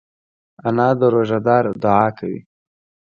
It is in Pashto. انا د روژهدار دعا کوي